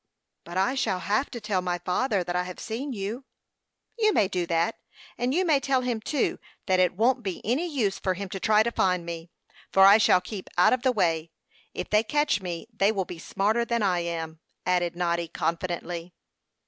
"But I shall have to tell my father that I have seen you." "You may do that; and you may tell him, too, that it won't be any use for him to try to find me, for I shall keep out of the way. If they catch me they will be smarter than I am," added Noddy, confidently.